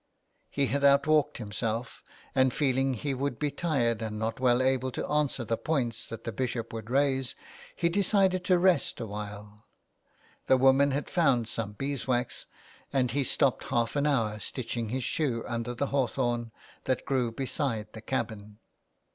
He had outwalked himself, and feeling he would be tired, and not well able to answer the points that the Bishop would raise, he decided to rest awhile. The woman had found some beeswax, and he stopped half an hour stitching his shoe under the hawthorn that grew beside the cabin.